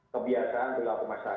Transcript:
kebiasaan berlaku masyarakat